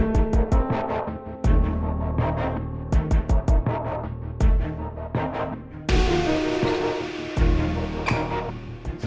sengaja ikut mas